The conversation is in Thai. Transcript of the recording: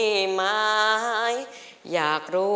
สวัสดีครับ